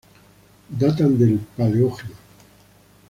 Datan del Paleógeno.